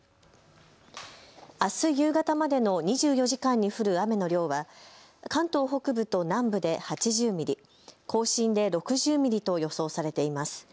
あす夕方までの２４時間に降る雨の量は関東北部と南部で８０ミリ、甲信で６０ミリと予想されています。